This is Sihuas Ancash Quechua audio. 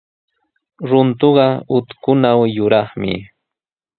Runtuqa utkunaw yuraqmi.